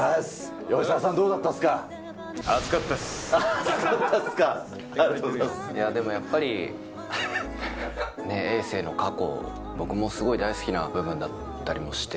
熱かったっすか、ありがとういやでも、やっぱりね、えい政の過去を、僕もすごい大好きな部分だったりもして。